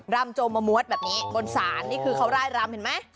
รำโจมวดแบบนี้บนศาลนี่คือเขาร่ายรำเห็นไหม